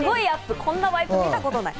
こんなワイプ見たことない。